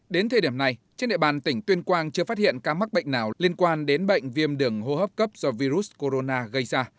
đến thời điểm này trên địa bàn tỉnh tuyên quang chưa phát hiện ca mắc bệnh nào liên quan đến bệnh viêm đường hô hấp cấp do virus corona gây ra